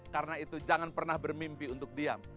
karena itu jangan pernah bermimpi untuk diam